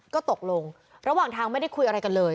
ก็ตกลงระหว่างทางไม่ได้คุยอะไรกันเลย